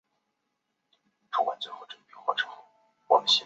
粟末靺鞨得名。